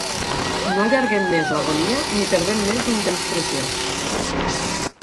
No allarguem més l’agonia ni perdem més un temps preciós.